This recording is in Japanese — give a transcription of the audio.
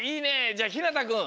じゃあひなたくん！